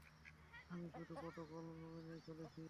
আমি শুধু প্রোটোকল মেনে চলছি!